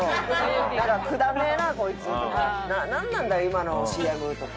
なんか「くだらねえなこいつ」とか「なんなんだ今のＣＭ」とか。